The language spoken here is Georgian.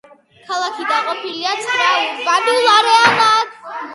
ქალაქი დაყოფილია ცხრა ურბანულ არეალად.